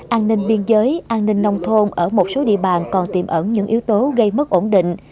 an ninh biên giới an ninh nông thôn ở một số địa bàn còn tiềm ẩn những yếu tố gây mất ổn định